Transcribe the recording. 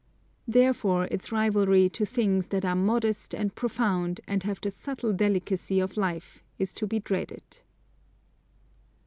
Therefore its rivalry to things that are modest and profound and have the subtle delicacy of life is to be dreaded.